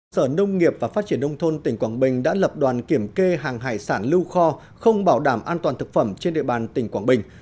sở nông nghiệp và phát triển nông thôn tỉnh quảng bình đã lập đoàn kiểm kê hàng hải sản lưu kho không bảo đảm an toàn thực phẩm trên địa bàn tỉnh quảng bình